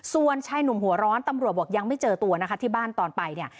ส่วนชายหนุ่มหัวร้อนตำรวจบอกยังไม่เจอตัวนะคะที่บ้านตอนไปเนี่ย